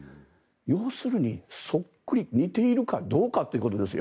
要するにそっくり似ているかどうかということですよ。